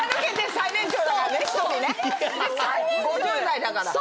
５０代だから。